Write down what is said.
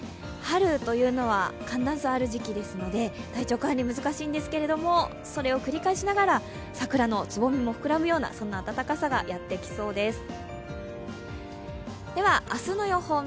春というのは寒暖差ある時期ですので体調管理、難しいんですけれども、それを繰り返しながら桜のつぼみも膨らむような、そんな暖かさがやってきそうです。